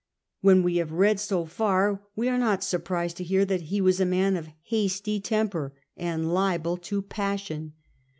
When we have read so far we are not surprised to hear that he was a man of a hasty temper and liable to passion.